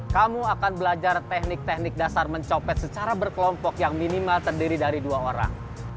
kamu akan belajar teknik teknik dasar mencopet secara berkelompok yang minimal terdiri dari dua orang